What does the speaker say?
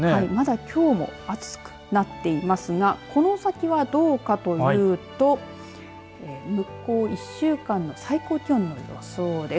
まだきょうも暑くなっていますがこの先はどうかというと向こう１週間の最高気温の予想です。